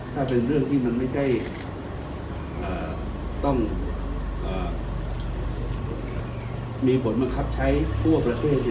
ถ้าเป็นเรื่องที่มันไม่ใช่ต้องมีผลบังคับใช้ทั่วประเทศ